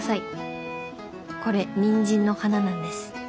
これニンジンの花なんです。